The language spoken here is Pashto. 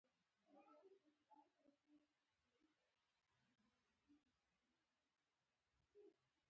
درې اروپايي هېوادونو، بریتانیا، فرانسې او جرمني